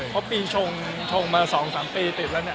เพราะปีชงมา๒๓ปีติดแล้วเนี่ย